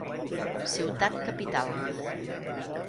Ciutat capital.